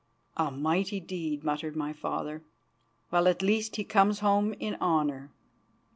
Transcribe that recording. "A mighty deed," muttered my father. "Well, at least he comes home in honour."